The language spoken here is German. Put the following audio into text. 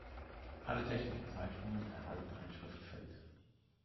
Alle technischen Zeichnungen erhalten ein Schriftfeld.